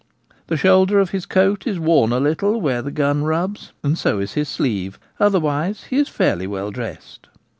The shoulder of his coat is worn a little where the gun rubs, and so is his sleeve ; otherwise he is fairly well dressed.